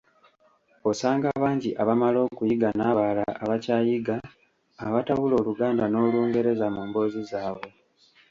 Osanga bangi abamala okuyiga n'abalala abakyayiga, abatabula Oluganda n'Olungereza mu mboozi zaabwe.